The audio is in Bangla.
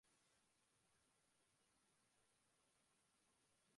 আর স্কাঙ্কদের লেজ কিছুটা ছোট হয়।